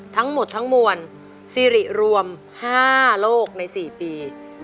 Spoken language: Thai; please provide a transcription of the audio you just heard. ทั้งหมดทั้งมวลซีริรวม๕โลกใน๔ปี